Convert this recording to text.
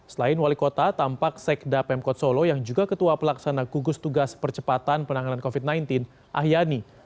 selain wali kota tampak sekda pemkot solo yang juga ketua pelaksana gugus tugas percepatan penanganan covid sembilan belas ahyani